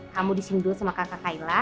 kamu disini dulu sama kakak kaila